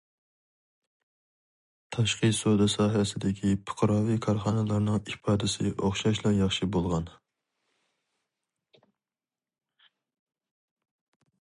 تاشقى سودا ساھەسىدىكى پۇقراۋى كارخانىلارنىڭ ئىپادىسى ئوخشاشلا ياخشى بولغان.